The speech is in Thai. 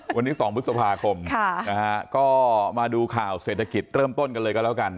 วันนี้๒พฤษภาคมก็มาดูข่าวเศรษฐกิจเริ่มต้นกันเลยก็แล้วกัน